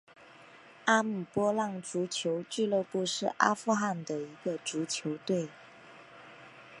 阿姆波浪足球俱乐部是阿富汗的一个足球队。